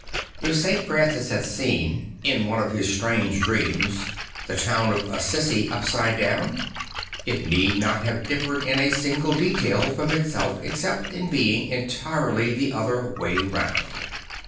If St. Francis had seen, in one of 84 St. Francis of Assisi his strange dreams, the town of Assisi upside down, it need not have differed in a single detail from itself except in being entirely the other way round.